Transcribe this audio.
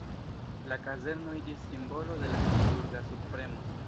La kazerno iĝis simbolo de la Habsburga subpremo.